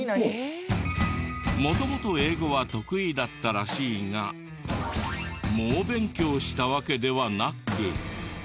元々英語は得意だったらしいが猛勉強したわけではなく。